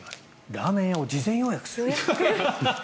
ラーメン屋を事前予約する。